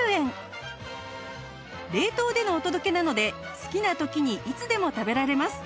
冷凍でのお届けなので好きな時にいつでも食べられます